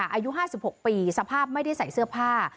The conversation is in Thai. อายุ๕๖ปีสภาพไม่ได้ใส่เสื้อผ้า